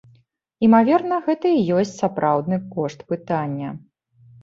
Імаверна, гэта і ёсць сапраўдны кошт пытання.